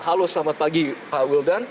halo selamat pagi pak wildan